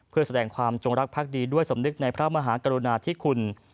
เพื่อแสดงความจงรักภักดีด้วยสำนึกในพระมหากรุณาธิคุณ